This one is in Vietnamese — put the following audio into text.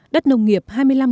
đất nông nghiệp hai mươi năm